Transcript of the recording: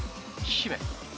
姫？